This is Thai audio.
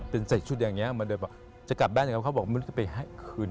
เป็นใส่ชุดอย่างนี้มาเดินจะกลับบ้านเขาบอกมึงจะไปให้คืน